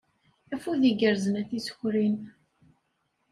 Afud igerrzen a tisekrin.